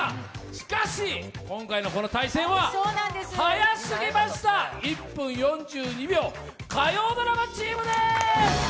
しかし、今回の対戦は、早すぎました、１分４２秒、火曜ドラマチームです。